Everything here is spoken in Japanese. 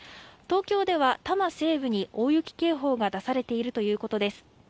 東京では多摩西部に大雪警報が出されているということです。